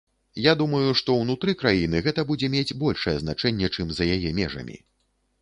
Я думаю, што ўнутры краіны гэта будзе мець большае значэнне, чым за яе межамі.